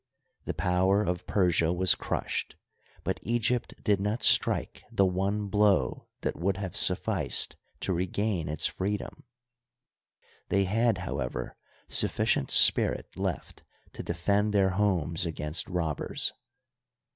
The power of Persia was crushed, but Egypt did not strike the one blow that would have sufficed to regain its freedom. They had, however, sufficient spirit left to defend their homes against robbers.